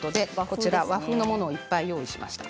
和風のものいっぱい用意しました。